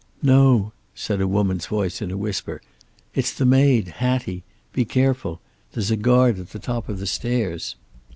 "No," said a woman's voice in a whisper. "It's the maid, Hattie. Be careful. There's a guard at the top of the stairs."